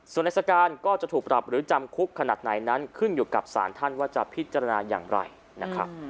ส่วนในสการก็จะถูกปรับหรือจำคุกขนาดไหนนั้นขึ้นอยู่กับสารท่านว่าจะพิจารณาอย่างไรนะครับ